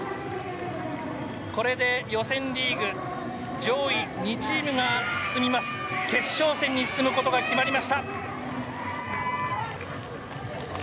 これで予選リーグ上位２チームが進みます決勝戦に進むことが決まりました。